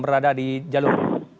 berada di jalur